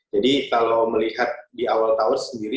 jadi kalau melihat di awal tahun sendiri